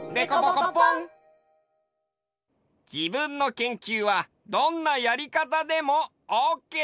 自分の研究はどんなやりかたでもオッケー！